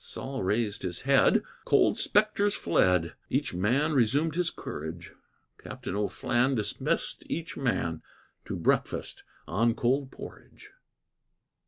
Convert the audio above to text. Sol raised his head, cold spectres fled; Each man resumed his courage; Captain O'Flan dismissed each man To breakfast on cold porridge.